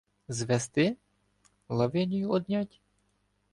Звести? — Лавинію однять?